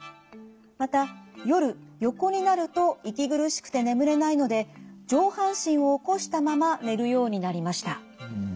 また夜横になると息苦しくて眠れないので上半身を起こしたまま寝るようになりました。